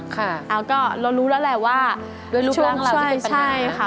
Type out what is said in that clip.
ค่ะนะครับก็เรารู้แล้วแหละว่าช่วงใช่นะครับ